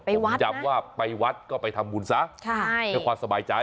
จำว่าไปวัดก็ไปทำบุญซะใช่เพื่อความสบายใจ